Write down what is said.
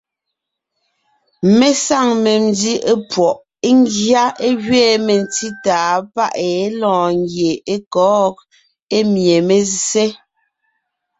Mé saŋ memdí epwɔʼ, ńgyá é gẅiin mentí tàa páʼ é lɔɔn ńgie é kɔ̌g, emie mé zsé.